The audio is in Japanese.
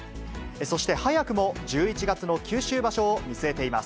そして早くも、１１月の九州場所を見据えています。